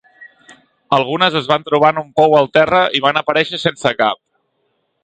Algunes es van trobar en un pou al terra i van aparèixer sense cap.